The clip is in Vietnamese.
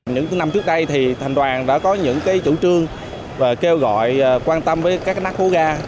những năm trước đây thành đoàn đã có những chủ trương kêu gọi quan tâm với các nắp hố ga